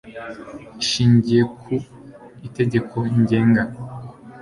Ishingiye ku Itegeko Ngenga